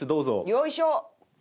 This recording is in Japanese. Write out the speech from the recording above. よいしょ！